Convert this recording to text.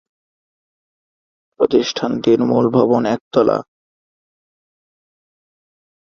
প্রতিষ্ঠানটির মূল ভবন একতলা।